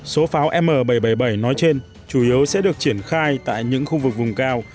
số pháo m bảy trăm bảy mươi bảy nói trên chủ yếu sẽ được triển khai tại những khu vực vùng cao